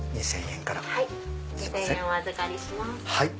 ２０００円お預かりします。